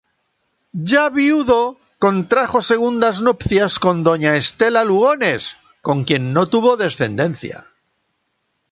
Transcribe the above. Ya viudo, contrajo segundas nupcias con doña Estela Lugones, con quien no tuvo descendencia.